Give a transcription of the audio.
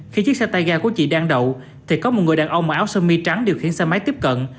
khi chiếc satayga của chị đang đậu thì có một người đàn ông mà áo sơ mi trắng điều khiển xe máy tiếp cận